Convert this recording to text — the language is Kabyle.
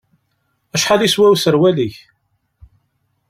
Acḥal yeswa userwal-ik?